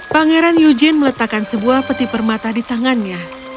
pangeran yujin meletakkan sebuah peti permata di tangannya